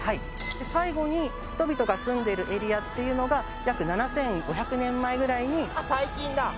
最後に人々が住んでるエリアっていうのが約７５００年前ぐらいにあっ最近だ